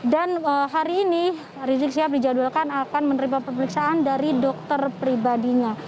dan hari ini rizik shihab dijadwalkan akan menerima perperiksaan dari dokter pribadinya